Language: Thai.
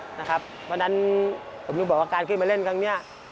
เพราะฉะนั้นผมถึงบอกว่าการขึ้นมาเล่นครั้งนี้